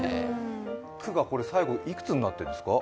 くが最後幾つになってるんですか？